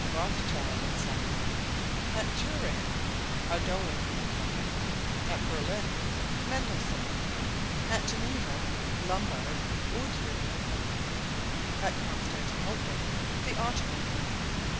Rothschild and Son. At Turin, Ardouin and Co. At Berlin, Mendelssohn. At Geneva, Lombard, Odier and Co. At Constantinople, The Ottoman Bank.